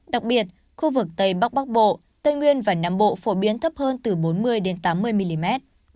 đặc biệt khu vực tây bắc bắc bộ tây nguyên và nam bộ phổ biến thấp hơn từ bốn mươi tám mươi mm